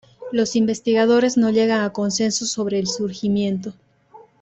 Los investigadores no llegan a consenso sobre el surgimiento.